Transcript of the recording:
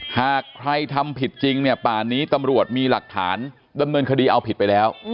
หากใครทำผิดจริงเนี่ยป่านนี้ตำรวจมีหลักฐานดำเนินคดีเอาผิดไปแล้ว